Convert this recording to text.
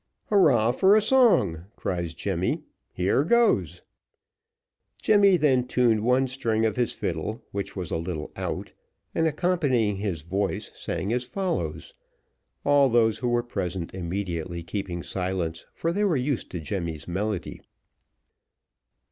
"Hurrah for a song!" cries Jemmy. "Here goes." Jemmy then tuned one string of his fiddle, which was a little out, and accompanying his voice, sang as follows: all those who were present immediately keeping silence, for they were used to Jemmy's melody.